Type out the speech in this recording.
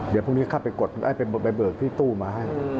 เดี๋ยวพรุ่งนี้เข้าไปกดไปเบิกที่ตู้มาให้